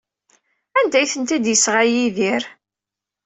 Anda ay ten-id-yesɣa Yidir?